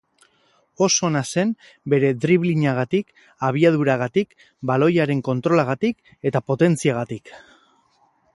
Oso ona zen bere driblinagatik, abiaduragatik, baloiaren kontrolagatik eta potentziagatik.